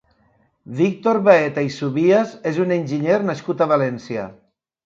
Víctor Baeta i Subías és un enginyer nascut a València.